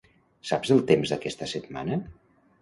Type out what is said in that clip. Saps el temps d'aquesta setmana?